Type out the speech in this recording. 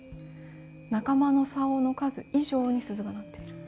仲間の竿の数以上に鈴が鳴っている。